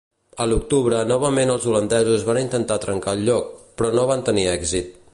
A l'octubre novament els holandesos van intentar trencar el lloc, però no van tenir èxit.